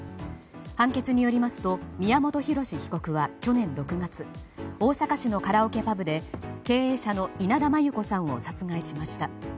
判決によりますと宮本浩志被告は去年６月大阪市のカラオケパブで経営者の稲田真優子さんを殺害しました。